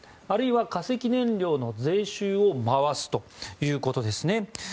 あるいは、化石燃料の税収を回すということですね。